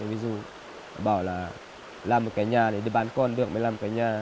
ví dụ bảo là làm một cái nhà để đi bàn con được mới làm một cái nhà